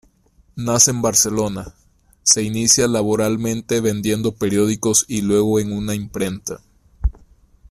Nace en Barcelona, se inicia laboralmente vendiendo periódicos y luego en una imprenta.